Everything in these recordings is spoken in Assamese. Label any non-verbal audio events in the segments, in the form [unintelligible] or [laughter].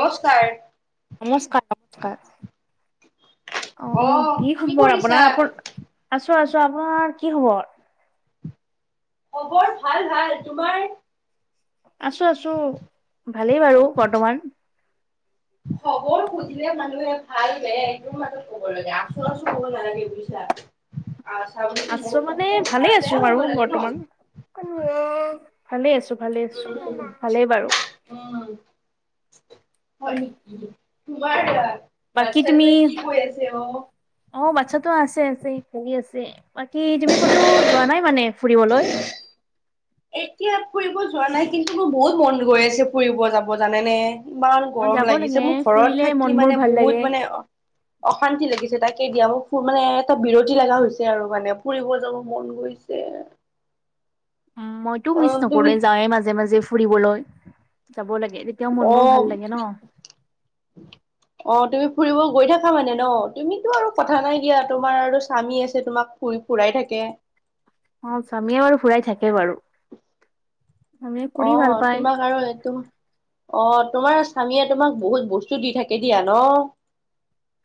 নমস্কাৰ নমস্কাৰ নমস্কাৰ। অ কি খবৰ আপোনাৰ আপ আছো। আছোঁ আছোঁ আপোনাৰ কি খবৰ। খবৰ ভাল ভাল তোমাৰ। আছোঁ আছোঁ ভালেই বাৰু বৰ্তমান। খবৰ সুধিলে মানুহে ভাল বেয়া [unintelligible] মাজত কব লাগে আছোঁ আছোঁ ক'ব নালাগে বুজিছা। [inaudible] আছা বুলি ময়ো আছোঁ মানে জানো ন ভাল ভালেই বেয়া আছোঁ হ'ব বাৰু লাগে ন বৰ্তমান ভালে আছোঁ। ভালে আছোঁ উম ভালেই বাৰু। উম। হয় নেকি তোমাৰ এ [unintelligible] বাকী বাচ্ছাটোে তুমি ৱে কি হৈ আছে অ', অ', বাচ্ছাতো আছে আছে সি পঢ়ি আছে বাকী তুমি ক'তো যোৱা নাই মানে ফুৰিবলৈ এতিয়া ফুৰিব যোৱা নাই, কিন্তু মোৰ বহুত মন গৈ আছে ফুৰিব যাব জানেনে ইমান অ গৰম যাব লাগে লাগিছে মোৰ ঘৰত ফুৰিলে মন থাকি বোৰ মানে ভাল লাগে। বহুত মানে অশান্তি লাগিছে তাকে দিয়াব ফ মানে এটা বিৰতি লগা হৈছে আৰু মানে ফুৰিব যাব মন গৈছে [inaudible] উ মইতো অ মিছ তুমি নকৰো যাওঁ মাজে, মাজে ফুৰিবলৈ যাব লাগে তেতিয়াও অ মনবোৰ ভাল লাগে ন অ', তুমি ফুৰিব গৈ থাকা মানে ন তুমিতো আৰু কথা নাই দিয়া তোমাৰ আৰু স্বামী আছে তোমাক ফুৰি ফুৰাই থাকে অ', স্বামীয়ে বাৰু ফুৰাই থাকে বাৰু আমি ফুৰি ভাল অ', পায় তোমাক আৰুটোম অ', তোমাৰ স্বামীয়ে তোমাক বহুত বস্তু দি থাকে দিয়া ন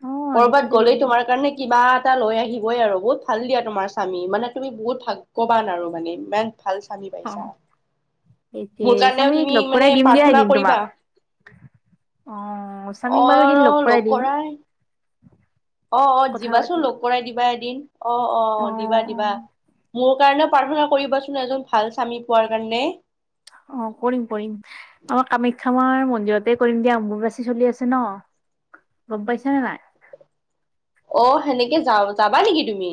অ দি কৰবাত থাকে দি গ'লেই থাকে তোমাৰ কাৰণে কিবা এটা লৈ আহিবই আৰু বহুত ভাল দিয়া তোমাৰ স্বামী মানে তুমি বহুত ভাগ্যৱান আৰু মানে ই ভাল স্বামী পাইছা এতিয়া মোৰ কাৰণেও স্বামীক তুমি লগ মানে কৰাই দিম দিয়া প্ৰাৰ্থনা এদিন কৰিবা তোমাক অ', স্বামীক বাৰু এদিন লগ কৰাই দিম অ', অ', কথা পাতি দিবাচোন অ লগ কৰাই দিবা এদিন অ', অ', অ', দিবা দিবা মোৰ কাৰণে প্ৰাৰ্থনা কৰিবাচোন এজন ভাল স্বামী পোৱাৰ কাৰণে অ', কৰিম, কৰিম আমাৰ কামাখ্যা মাৰ মন্দিৰতে কৰিম দিয়া অম্বুবাচী চলি আছে ন ব পাইছ ন নাই অ', সেনেকে যা যাবা নেকি তুমি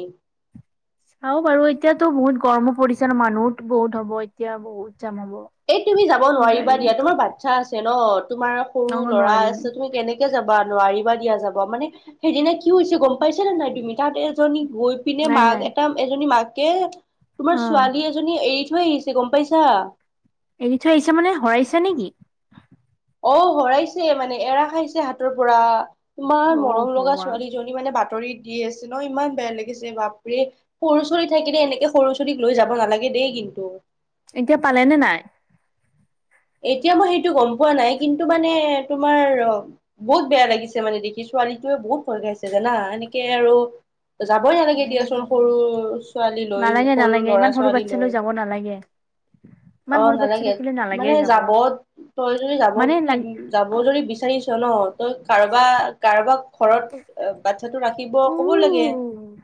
চও বাৰু এতিয়াাতো বহুত গৰমো পৰিছে ন মানুহ বহুত হ'ব এতিয়া বহুত জাম হ'ব এ তুমি যাব নোৱাৰিবা গাড়ী দিয়া মত তোমাৰ বাচ্ছা আছে ন তোমাৰ অ সৰু ল'ৰা নোৱাৰিম আছে তুমি কেনেকে যাবা নোৱাৰিবা দিয়া যাব মানে সেইদিনা কি হৈছে গম পাইছে নে নাই তুমি তাত এজনী গৈ পিনে নাই নাই মাক এটা এজনী মাকে অ তোমাৰ ছোৱালী এজনী এৰি থৈ ছে গম পাইছা এৰি থৈ আহিছে মানে শৰাইছে নেকি অ', হৰাইছে মানে এৰা খাইছে হাতৰ পৰা তোমাৰ অ মৰম লগা ভগৱান ছোৱালীজনী মানে বাট বাতৰি দি আছে ন ইমান বেয়া লাগিছে বাপৰে সৰু চৰি থাকিলে এনেকে সৰু চৰিক লৈ যাব নালাগে দেই কিন্তু এতিয়া পালে নে নাই এতিয়া মই সেইটো গম পোৱা নাই কিন্তু মানে তোমাৰ ', অ বহুত বেয়া লাগিছে মানে দেখিছো ছোৱালীটয়ে বহুত ভয় খাইছে জানা এনেকে আৰু যাবই নালাগে দিয়াচোন অ সৰু ছোৱালী লৈ নালাগে সৰু নালাগে ল'ৰা ইমান সৰু ছোৱালী বাচ্ছা লৈ যাব নালাগে ইমান আহ সৰু বাচ্ছা নালাগে থাকিলে নালাগে মানে যাব তই যদি যাব মানে লাগ যাব যদি বিচাৰিছ ন তই কাৰোবা কাৰোবাক ঘৰত বাচ্ছাটো ৰাখিব উ কব লাগে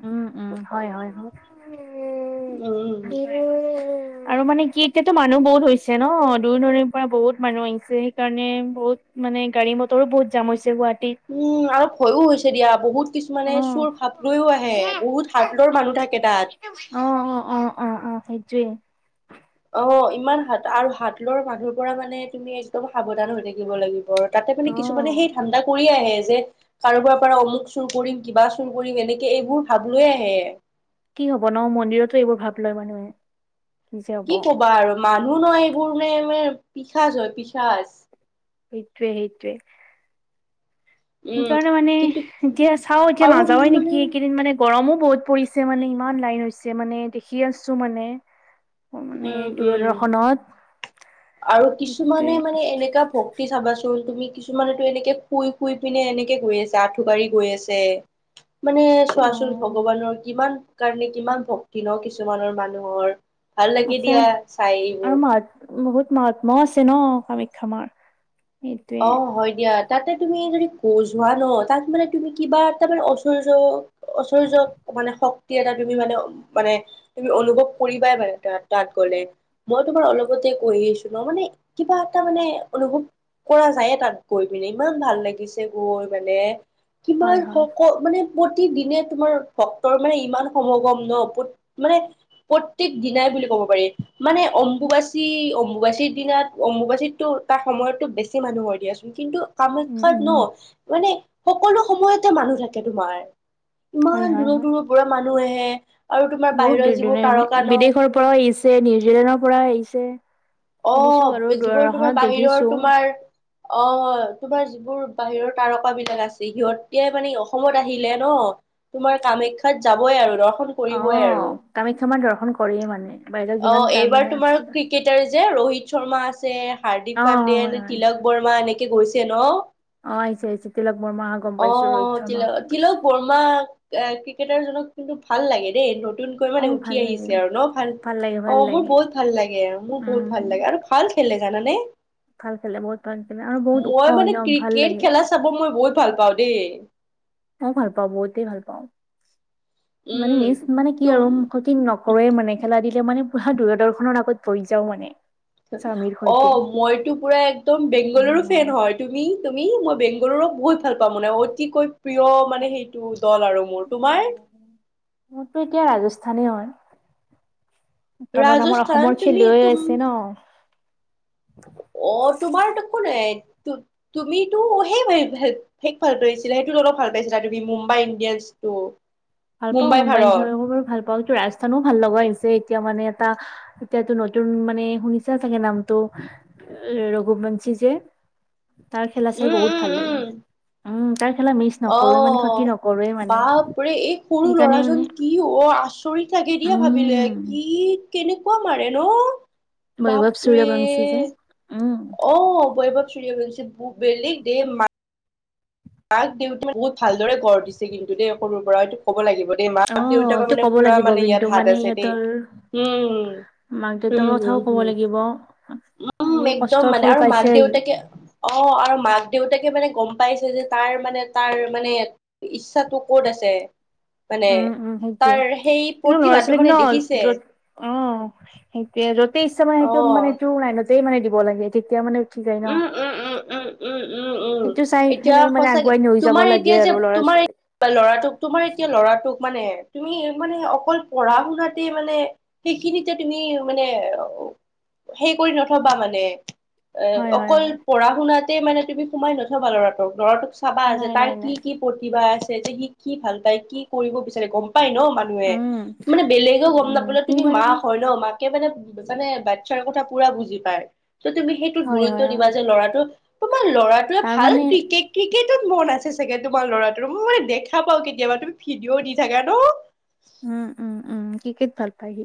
উম উম হয় হয় হয় উম। আৰু মানে কি এতিয়াতো মানুহ বহুত হৈছে ন দূৰ দূৰণ পৰা বহুত মানুহ আহিছে সেইকাৰণে বহুত মানে গাড়ী মটৰো বহুত জাম হৈছে গুৱাহাটী উম, অলপ ভয়ো হৈছে দিয়া বহুত কিছুমানে চুৰ ভাৱ লৈও আহে বহুত হাতৰ মানুহ থাকে তাত অ', অ', অ', অ', অ', সেইটোয়ে অ', ইমান হাত আৰু হাত লৰ মানুহৰ পৰা মানে তুমি একদম সাৱধান হৈ থাকিব লাগিব তাতে মানে অ কিছুমানে সেই ঠাণ্ডা কৰিয় আহে যে কাৰোবাৰ পৰা অমুক চুৰ কৰিম কিবা চুৰ কৰিম এনেকে এইবোৰ ভাব লৈ আহে কি হব ন মন্দিৰতো এইবোৰ ভাব লয় মানুহে যে হব কি কবা আৰু মানুহ নহ এইবোৰ নে ম পিসাাজ হয় পিসাজ সেইটোৱে সেইটোৱে। উম সেইকাৰণে মানে কিন্তু এতিয়া চাও এতিয়া আৰু নাযাাৱে মানে নেকি এইকেইদিন মানে গৰমো। বহুত পৰিছে মানে ইমান লাইন হৈছে মানে দেখি আছো মানে মানে উম উম দূৰদৰ্শনত। আৰু কিছুমানে সেইটোৱে মানে এনেকা ভক্তি চাবা তুমি কিছুমানতো এনেকে শুই শুই পিনে এনেকে গৈ আছছে আঁঠু গাঢ়ি গৈ আছে। মানে অ চোৱাচোন ভগৱানৰ কিমান কাৰণে কিমান ভক্তি ন কিছুমানৰ মানুহৰ। ভাল লাগে আচ্ছা দিয়া চাই এইবোৰ। মত্মাও আছে ন কামাখ্যা মাৰ। সেইটোৱে অ হয় দিয়া। তাতে তুমি যদি ক যোৱা ন তাত মানে তুমি কিবা তাৰ মানে অশচৰ ঐশ্বৰ্যক মানে শক্ত এ তুমি মানে মানে তুমি অনুভৱ কৰিবাই মানে তাত গ'লে মই তোমাৰ অলপতে কৈ আছো ন মানে কিবা এটা মানে অনুভৱ কৰা যায়ে তাত গৈ পিনে ইমান ভাল লাগিছে গৈ মানে হয় কিমান হয় সকল মানে প্ৰতিদিনে তোমাৰ ভক্তৰ মানে ইমান সমাগম ন, মানে প্ৰত্যেক দিনাই বুলি ক'ব পাৰি মানে অম্বুবাচী, অম্বুবাচীৰ দিনাত অম্বুবাচীতো তাৰ সময়তটো বেছি মানুহ দিয়াচোন কিন্তু উম কামাখ্যাত ন উম মানে সকলো সময়তে মানুহ থাকে তোমাৰ। হয় ইমান হয় দূৰৰ হয় দূৰৰ পৰা মানুহ আহে আৰু তোমাৰ বহুত বাহিৰৰ দূৰ যিবোৰ দূণ তাৰকা ন বিদেশৰ পৰাও আহিছে, নিউজিলেণ্ডৰ পৰাও আহিছে। শুনিছো বাৰু অ'যিবোৰ তোমাৰ দূৰদৰ্শনত বাহিৰৰ দেখিছো তোমাৰ অ, তোমাৰ যিবোৰ বাহিৰৰ তাৰকা বিলাক আছে সিহতি মানে অসমত আহিলে ন। তোমাৰ কামাখ্যাত যাবই আৰু অ নহ। কামাখ্যা মাৰ দৰ্শন কৰে মানে বাহিৰত অ যিমান এইবাৰ তাৰমানে তোমাৰ আছিল ক্ৰিকেটাৰ যে ৰোহিত শৰ্মা আছে। হাৰ্দিক অ পাণ্ডে হয় ন হয় তিলক বৰ্মা এনেকে গৈছে ন। অ আহিছে আহিছে তিলক বৰ্মা অহা গম অ পাইছো ৰোহিত শৰ্মা অহা তিলক গম পাইছো তিলক বৰ্মা ক্ৰিকেটাৰজনক কিন্তু ভাল লাগে দেই। নতুনকৈ অ মানে ভাল উঠি লাগে আহিছে আৰু ন, ভাল লাগে অ ভাল মোৰ লাগে বহুত ভাল লাগে আৰু মোৰ। বহুত ভাল উম লাগে আৰু ভাল খেললে জানানে। ভাল খেলে বহুত ভাল খেলে আৰু বহুত ওখ মই হয় মানে ন ভাল ক্ৰিকেট লাগে খেলা চাব মই বহুত ভাল পাওঁ। দু মই ভাল পাওঁ বহুতেই ভাল পাওঁ। মানে উম মিছ মানে কি আৰু তুম মুখ কি নকৰোৱে মানে খেলা দি য়া মানে পোৰা দূৰদৰ্শনৰ আগত বৈ যাও মানে। স্বামীৰ অ সৈতে মইতো পুৰা একদম বেংগলৰো উম ফেন হয় তুমি? ই মই বংগুোৰৰ বহুত ভাল পা মানে অতিকৈ প্ৰিয় মানে সেইটো দল আৰু মোৰ তোমাৰ? মোৰতো এতিয়া ৰাজস্থানেই হয়। কাৰণ আমাৰ ৰাজস্থান অসমৰ তুমি খেলুৱৈ তুম আছে ন। অ তোমাৰ তাকো নাই। তুমিতো সেই হেইক ভাল পাইছিলা, সেইটো অলপ ভাল পাইছিলা তুমি মুম্বাই ইণ্ডিয়ানচ। ত [unintelligible] ভাল পাওঁ মাইন চৰাকো ভাল পাও। টো ৰাজস্থানও ভাল লগা হৈছে এতিয়া মানে, এটা এতিয়াতটো নতুন মানে শুনিছে চাগে নামতো ৰঘুবংশী যে তাৰ খেলা চাই উম, বহুত উম, ভাল লাগে উম, উম। তাৰ খেলা মিছ নকৰোৱ মানে ক্ষতি অ'। নকৰোৱে মানে বাপৰে এই সৰু সেইকাৰণে ল'ৰাজন মানে কি অ আচৰিত থাকে দিয়া ভাবিলে উম কি কেনেকুৱা মাৰে ন বৈভৱ বাপৰে সূৰ্যবংশী যে উম অ বৈ ভাগ চুৰি গৈছে বেলেগ দে ম তাক দেউতাই বহুত ভালদৰে গঢ় দিছে কিন্তু দেই সৰুৰ পৰা হয়তো ক'ব লাগিব দেই অ মাক দেউতাকৰ এইটো মানে ক'ব পুৰা লাগিব মানে কিন্তু ইয়াত হাত আছে দেই সিহঁতৰ হম মাক দেউতাৰ হম, কথাও ক'ব হম, লাগিব উম আজি একদম কষ্টৰ মানে ফল আৰু পাইছে মাক আজি দেউতাকে অ আৰু মাক দেউতাকে মানে গম পাইছে যে তাৰ মানে তাৰ মানে ইচ্ছাটো ক'ত আছে মানে উ সেইটোয়ে তাৰ সেই এ ল'ৰা প্ৰতিভাটো ছোৱালীক মানে ন দেখিছে যত অ সেইটয়ে যতেই ইচ্ছা ম সেইটো অ'। মানে তোৰ লাইনতেই মানে দিব লাগে তেতিয়া মানে উঠি যায় ন উম উম উম উম উম উম উম সেইটো চাই এতিয়া পেলাই মানে সঁচাকে আগুৱাই লৈ যাব তোমাৰ লাগে এতিয়া যে আৰু ল'ৰা তোমাৰ ছোৱালী বা ল'ৰাটোক তোমাৰ এতিয়া ল'ৰাটোক মানে তুমি মানে অকল পঢ়া শুনাতে মানে সেইখিনিতে তুমি মানে সেই কৰি নথবা মানে এ হয় হয় অকল হয় পঢ়া শুনাতে মানে তুমি সোমাই নথবা ল'ৰাটোক ল'ৰাটোক চাবা আছে নাই তাই নাই কি নাই কি প্ৰতিভা আছে যে সি কি ভাল তাই কি কৰিব বিচাৰে গম প পাই ন মানুহে উম মানে বেলেগেও গম উম নাপালে সি তুমি বাৰু মাক হয় ন মাক একেবাৰে জানে বাচ্ছাৰ কথা পুৰা বুজি পায় ত তুমি সেইটোত হয় গুৰুত্ব হয় দিবা হয় যে ল'ৰাটো তোমাৰ ল'ৰাটোৱে ভাল তাৰমানে ক্ৰিকেট ক্ৰিকেট ত মন আছে চাগে তোমাৰ ল'ৰাটোৰ মই মানে দেখা পাও কেতিয়াবা তুমি ভিডিঅও দি থাকা ন উম উম উম ক্ৰিকেট ভাল পায় সি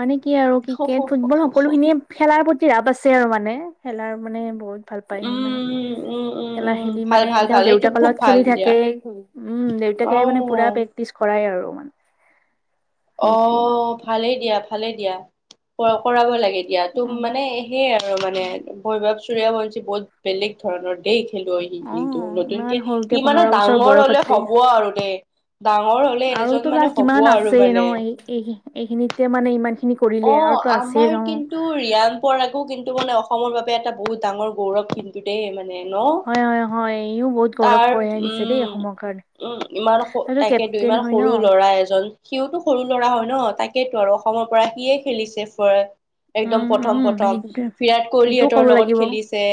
মানে কি আৰু ক্ৰিকেট ফুটবল সকলোখিনিয়ে খেলাৰ প্ৰতি ৰাপ আছে আৰু মানে খেলাৰ মানে বহুত ভাল উম পায়হি মানে উম উম উম খেলা উম খেলি ভাল মানে ভাল ভাল তেওঁৰ এইটো দেউতাক খুব লগত ভাল খেলি দিয়া থাকে উম দেউতাকে মানে পুৰা অ প্ৰেক্টিচ কৰাই আৰু মানে অ সেইটোৱে ভালেই দিয়া ভালেই দিয়া কৰাব লাগে তো মানে সেয়ে আৰু মানে ভৈৱ চৰিয়া বঞ্চী বহুত বেলেগ ধৰণৰ দেই খেলো সি অ কিন্তু নতুনকে ইমান সি সৰুতে মানে পোন্ধৰ বছৰ ডাঙৰ হলে বয়সতে হব আৰু দেই ডাঙৰ হলে এজন আৰুতো মানে তাৰ হ'ব কিমান আৰু আছে ন মানে। এই এইখিনিতে মানে ইমান খিনি কৰিলে অ আৰুতো আছে আমাৰ ন কিন্তু ৰিয়াম পৰাকো কিন্তু মানে অসমৰ বাবে এটা বহুত ডাঙৰ গৌৰৱ কিন্তু দেই মানে ন? হয় হয় হয় ইও বহুত গৌৰৱ তাৰ কৰিঢ় আনিছে দেই উম অসমৰ কাৰণে উম ইমান তাইতো তাকে দু কেপ্টেইন ইমান হয় ন? সৰু ল'ৰা এজন সিওতো সৰু ল'ৰা হয় ন তাকেইেতো আৰু অসমৰ পৰা সিয়ে খেলিছে একদম উম, প্ৰথম উম, প্ৰথম সেইটোৱে বিৰাট সেইটোও ক'ব কোহলিহঁতৰ লগত লাগিব। খেলিছে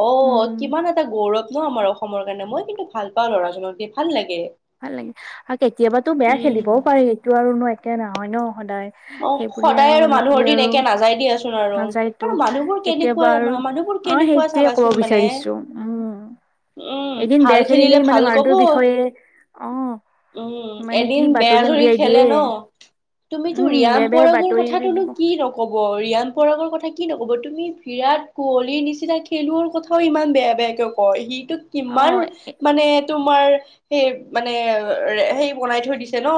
অ উম, কিমান এটা গৌৰৱ ন আমাৰ অসমৰ কাৰণে মই কিন্তু ভাল পাওঁ ল'ৰাজনক দি ভাল লাগে ভাল লাগে আৰু কেতিয়াবাতো বেয়া খেলিবও উম পাৰি এইটো আৰু ন একয়া নহয় ন সদায়। অ সেইবুলি সদায় আৰু মানে কি মানুহৰ দিন আৰু একে নাযাই দিিয় আছোন োন আৰু নাযায়তো আৰু মানুহবোৰ কেতিয়াবা আৰু কেনেকুৱা মানুহবোৰ অ', কেনেকুৱা সেইটোৱে ক'ব চাবাচোন মানে বিচাৰিছো উম। উম এদিন বেয়া ভাল খেলিলে খেলিলেই মানে ভাল কব মানুহটোৰ বিষয়ে অ', উম মানে কি এদিন বেয়া বাতৰি ধৰি উলিয়াই খেলে দিয়ে। ন তুমি উম, ৰিয়াম বেয়া বেয়া পৰগৰ বাতৰি উলিয়াই কথাটোনো দিব। কি নকব ৰিয়াম পগৰ কথা কি নকব তুমি বিৰাট কোহলিৰ নিচিনা খেলোৱাৰ কথাও ইমান বেয়া বেয়াকে কয় সি টো কিমান মানে তোমাৰ সেই মানে সেই বনাই থৈ দিছে ন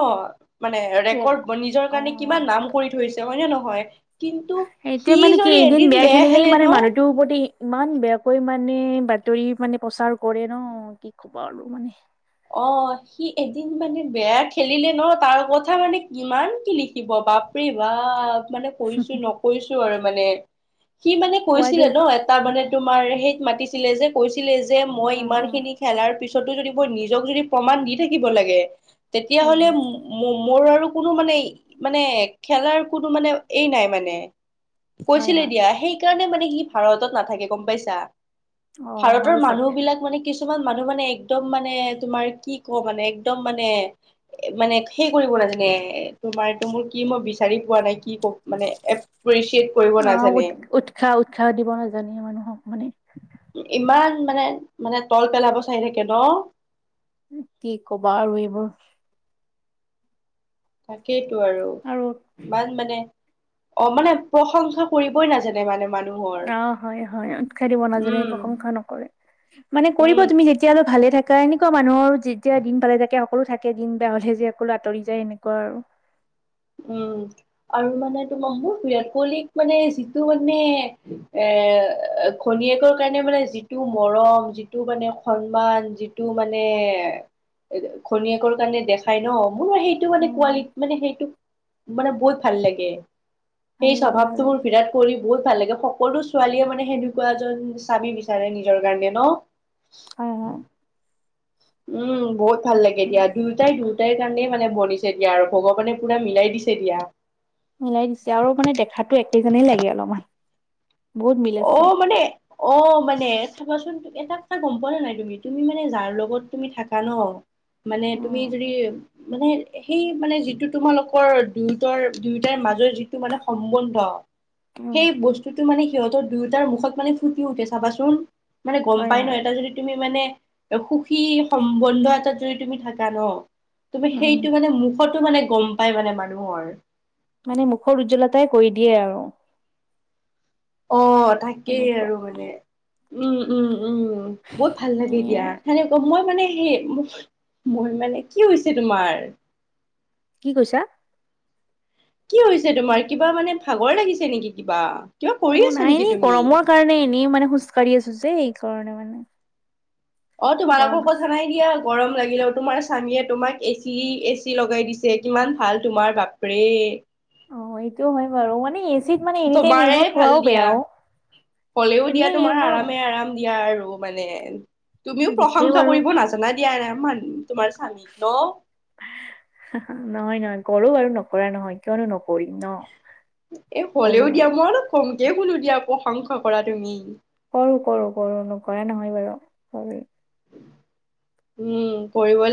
মানে অ', ৰেকৰ্ড নিজৰ কাৰণে অ'। কিমান নাম কৰি থৰিছে হয় ন নহয় কিন্তু সটোয় সি মানে কি যদি এদিন বেয়া খেলিলেই খেলে ন মানে মানুহটোৰ প্ৰতিপ ইমান বেয়া কৈ মানে বাতৰি মানে প্ৰচাৰ কৰে ন কি খব আৰু মানে অ সি এদিন মানে বেয়া খেলিলে ন তাৰ কথা মানে কিমান কি লিখিব বাপ বা মানে কৈছো নকৈছো আৰু মানে সি মানে কোৱাকে কৈছিলে ন এটা মানে তোমাৰ সেইত মাতিছিলে যে কৈছিলে যে মই উম ইমান উম খিনি খেলাৰ পিছতো যদি মই নিজ য প্ৰণ দি থাকিব ল তেতিয়ালে উম ম কোনো মান মানে খেলাৰ কোনো মানে এই নাই মানে হয় কৈছিলে হয় দিয়া সেই সেইকাৰণে মানে সি ভাৰতত নাথাকে গম পাইছা অ ভাৰতৰ হয় মানুহ চাগে বিলাক মানে কিু কিছুমান মানুহ মানে একদম মানে তোমাৰ কি ক মানে একদম মানে মানে সে কৰিব নাজানে তোমাৰো মোৰ কি মই বিচাৰি পোৱা নাইকি কি ক মানে এপ্ৰিচিয়েট কৰিব অ উৎ নাজানে উৎসাহ উৎসাহ দিব নাজানে মানুহক মানে ইমান মানে মানে তল পেলাব চাইি থাকে ন কি কবা আৰু এইবোৰ তাকেইতো আৰু ইমান মানে অ মানে প্ৰশংসা কৰিবই নাজানে মানে মানুহ অ হয় হয় উৎসাহ দিব নাজানে উম প্ৰশংসা নকৰে মানে উম কৰিব তুমি যেতিয়াাললে ভালে থাকে এনেকুৱা মানুহৰ যেতিয়া দিন পালে থাকে সকলো থাকে দিন বে হলে যে সকলো আঁতৰি যায় এনেকুৱা আৰু [unintelligible] উম আৰু মানে তোমাৰ মোৰ বিৰাট কোহলীিক মানে যিটো মানে এ খনীয়েকৰ কাৰণে মানে যিটো মৰম যিটো মানে সন্মান যিটো মানে মানে খনীয়েকৰ কাৰণে দেখাই ন মোৰ সেইটো মানে উম কোৱালিটি মানে সেইটো মানে বহুত ভাল লাগে ভাল সেই লাগে ভাল স্বভাৱটো মোৰ লাগে বিৰাট কৰি বহুত ভাল লাগে সকলো ছোৱালীয়ে মানে সেনেকুৱা এজন স্বামী বিচাৰে নিজৰ কাৰণে ন হয় উম হয় উম বহুত ভাল লাগে দিয়া দুয়োটাই দুয়োটাই কাৰণে মানে বনিছে দিয়া আৰু ভগৱানে পুৰা মিলাই দি চৰিয়া মিলাই দিছে আৰু মানে দেখাতো একেজই লাগে অলপমান বহুত মিল অ আছে মানে অ মানে থাবাচোন এটা কথা গম প নে নাই তুমি তুমি মানে যাৰ লগত তুমি থাকা ন মানে তুমি উম যদি মানে সেই মানে যিটো তোমালোকৰ দুয়োটাৰ দুয়োটাই মাজৰ যিটো মানে সম্বন্ধ উম সেই বস্তুটো মানে সিহঁতৰ দুয়োটাৰ মুখত মানে ফুটি উঠে চাবাচোন মানে গম হয় পাই হয় ন এটা যদি তুমি মানে সুখী সম্বন্ধ এটা তুমি থাকা ন তুমি উম সেইটো মানে মুখতো মানে গম পাই মানে মানুহৰ মানে মুখৰ উজ্জ্বলতাই কৰি দিয়ে আৰু অ তাকেই এনেকুৱা আৰু মানে উম উম উম বহুত ভাল লাগে এ সেয়াই দিয়া আৰু সেনেকা মই মানে মোৰ মানে কি হৈছে তোমাৰ কি কৈছা কি হৈছে তোমাৰ কিবা মানে ভাগৰ লাগিছে নেকি কিবা কিবা কৰি অ আছা নাই নেকি এনে তুমি গৰমৰ কাৰণে এনেই মানে খোজকাঢ়ি আছো যে এইকাৰণে মানে অ তোমাৰোকৰ গৰম আছে কথা নাই দিয়া গৰম লাগিলে তোমাৰ স্বামীয়ে তোমাক এচি এচি লগাই দিছে কিমান ভাল তোমাৰ বাপৰে অ, এইটো হয় বাৰু মানে এচিত মানে এনি টাইম তোমাৰে এইবোৰ ভাল খোৱাও দিয়া। বেয়া অ কলেও এনি দিয়া টাইম তোমাৰ এইবোৰ আৰামে-আৰাম দিয়া আৰু মানে তুমিও দিছে প্ৰশংসা বাৰু কৰিব নাজানা দিয়া তোমাৰ চানিল ন নহয় নহয় কৰো বাৰু নকৰা নহয় কিয়নো নকৰিম ন এ কৰো হলেও দিয়া বাৰু মই অল কমকে শুনো দিয়া প্ৰশংসা কৰা তুমি কৰো কৰো কৰো নকৰা নহয় বাৰু কৰো উম কৰিব লাগ